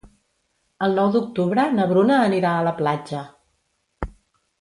El nou d'octubre na Bruna anirà a la platja.